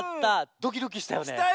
ドキドキしたよね。